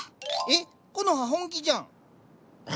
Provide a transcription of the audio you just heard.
えっコノハ本気じゃん。